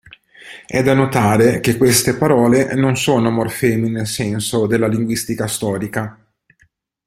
È da notare che queste parole non sono morfemi nel senso della linguistica storica.